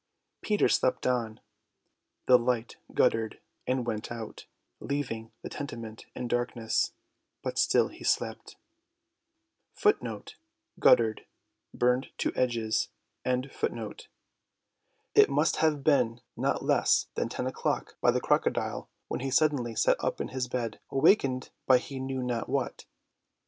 Peter slept on. The light guttered and went out, leaving the tenement in darkness; but still he slept. It must have been not less than ten o'clock by the crocodile, when he suddenly sat up in his bed, wakened by he knew not what.